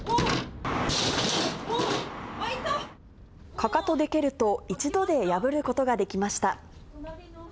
かかとで蹴ると、１度で破ることができました。